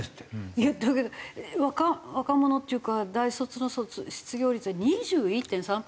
いやだけど若者っていうか大卒の失業率が２１．３パーセントって。